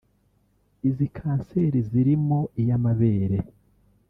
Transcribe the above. izi kanseri zirimo iy’amabere